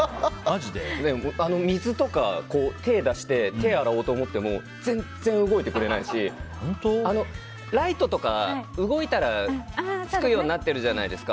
水とか手を出して手を洗おうとしても全然動いてくれないしライトとか動いたら、つくようになってるじゃないですか。